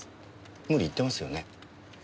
無理言ってますよね。